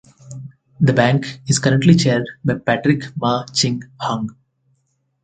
The bank is currently chaired by Patrick Ma Ching Hang.